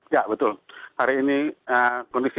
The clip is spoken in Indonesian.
ya betul hari ini kondisi kota jayapura masih belum kondisif